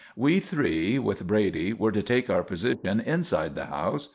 We three, with Brady, were to take our position inside the house.